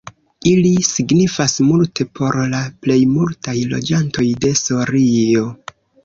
Ili signifas multe por la plejmultaj loĝantoj de Sorio.